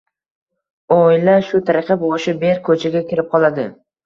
Oila shu tariqa boshi berk ko‘chaga kirib qoladi.